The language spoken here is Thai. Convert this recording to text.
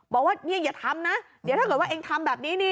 บอกว่าเนี่ยอย่าทำนะเดี๋ยวถ้าเกิดว่าเองทำแบบนี้นี่